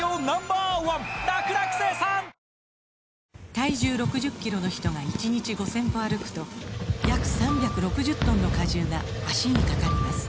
体重６０キロの人が１日５０００歩歩くと約３６０トンの荷重が脚にかかります